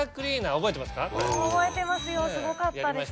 覚えてますよすごかったです。